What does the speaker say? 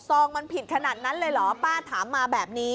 ซองมันผิดขนาดนั้นเลยเหรอป้าถามมาแบบนี้